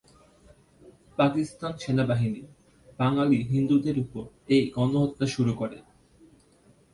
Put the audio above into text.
পাকিস্তান সেনাবাহিনী বাঙালি হিন্দুদের ওপর এই গণহত্যা শুরু করে।